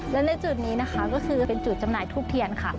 และในจุดนี้นะคะก็คือเป็นจุดจำหน่ายทูบเทียนค่ะ